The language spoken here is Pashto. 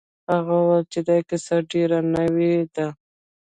هغه وویل چې دا کیسه ډیره نوې ده.